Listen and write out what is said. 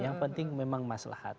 yang penting memang maslahat